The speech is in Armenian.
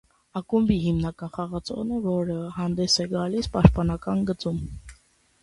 Ակումբի հիմնական խաղացող է, որը հանդես է գալիս պաշտպանական գծում։